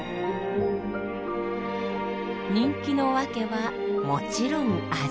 人気の訳はもちろん味。